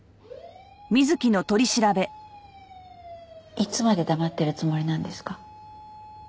いつまで黙ってるつもりなんですか？